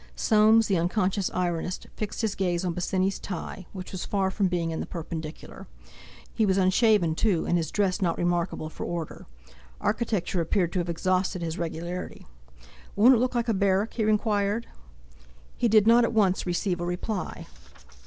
Soames, the unconscious ironist, fixed his gaze on Bosinney's tie, which was far from being in the perpendicular; he was unshaven too, and his dress not remarkable for order. Architecture appeared to have exhausted his regularity. "Won't it look like a barrack?" he inquired. He did not at once receive a reply.